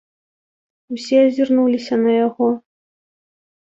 Усе азірнуліся на яго.